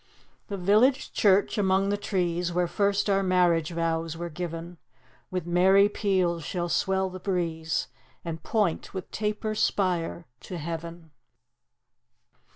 The village church, among the trees, Where first our marriage vows were giv'n, With merry peals shall swell the breeze, And point with taper spire to heav'n.